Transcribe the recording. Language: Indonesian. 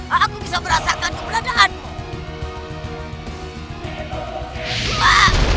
aku bisa merasakan keberadaanmu